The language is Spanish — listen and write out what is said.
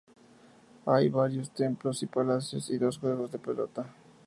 Hay varios templos y palacios y dos juegos de pelota.